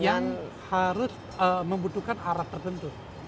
yang harus membutuhkan arah tertentu